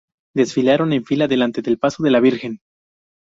Desfilaron en fila delante del paso de la Virgen.